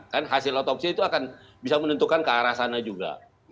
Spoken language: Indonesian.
kan hasil otopsi itu akan bisa menentukan ke arah sana juga